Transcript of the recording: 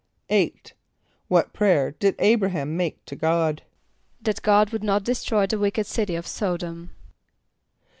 = =8.= What prayer did [=A]´br[)a] h[)a]m make to God? =That God would not destroy the wicked city of S[)o]d´om.